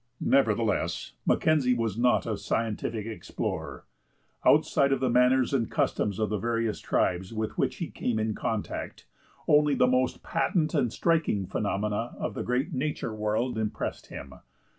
Nevertheless, Mackenzie was not a scientific explorer. Outside of the manners and customs of the various tribes with which he came in contact, only the most patent and striking phenomena of the great nature world impressed him.